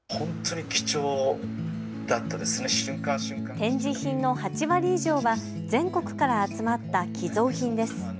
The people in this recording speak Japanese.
展示品の８割以上は全国から集まった寄贈品です。